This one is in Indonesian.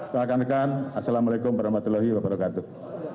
terima kasih assalamu'alaikum warahmatullahi wabarakatuh